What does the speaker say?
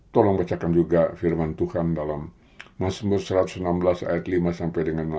tolong bacakan juga firman tuhan dalam masmur satu ratus enam belas ayat lima sampai dengan enam belas